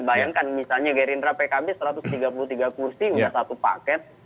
bayangkan misalnya gerindra pkb satu ratus tiga puluh tiga kursi sudah satu paket